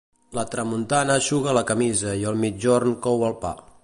La tramuntana eixuga la camisa i el migjorn cou el pa.